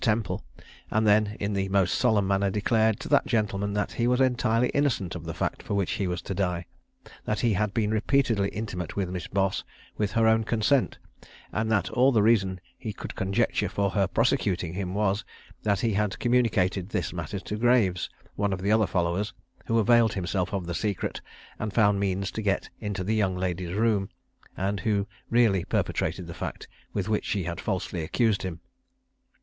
Temple, and then, in the most solemn manner, declared to that gentleman that he was entirely innocent of the fact for which he was to die; that he had been repeatedly intimate with Miss Boss, with her own consent; and that all the reason he could conjecture for her prosecuting him was, that he had communicated this matter to Graves, one of the other followers, who availed himself of the secret, and found means to get into the young lady's room, and who really perpetrated the fact with which she had falsely accused him.